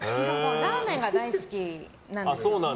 ラーメンが大好きなんです。